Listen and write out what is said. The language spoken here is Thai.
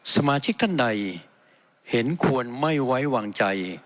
สมาชิกท่านใดเห็นควรไม่ไว้วางใจ